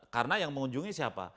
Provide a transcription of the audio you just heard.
karena yang mengunjungi siapa